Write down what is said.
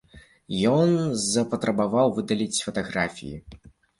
Ён запатрабаваў выдаліць фатаграфіі.